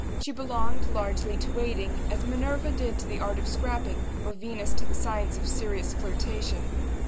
She belonged, largely, to waiting, as Minerva did to the art of scrapping, or Venus to the science of serious flirtation.